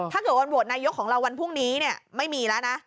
ถ้าเกิดวันโหวตนายกของเราวันพรุ่งนี้ไม่มีแล้วนะ